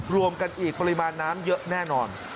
รวมกันอีกปริมาณน้ำเยอะแน่นอน